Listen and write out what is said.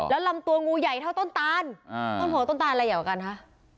แล้วลำตัวงูใหญ่เท่าต้นตานต้นหัวต้นตานอะไรใหญ่กว่ากันคะ